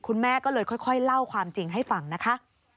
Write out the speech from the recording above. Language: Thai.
คุณแม่ก็เลยค่อยเล่าความจริงให้ฟังนะคะ